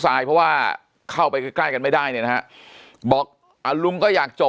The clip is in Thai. สายเพราะว่าเข้าไปใกล้กันไม่ได้นะบอกอ่ะลุงก็อยากจบ